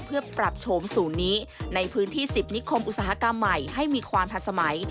เพื่อปรับโฉมศูนย์นี้ในพื้นที่๑๐นิคมอุตสาหกรรมใหม่ให้มีความทันสมัย